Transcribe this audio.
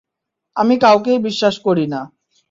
আমি কাউকেই বিশ্বাস করিনা।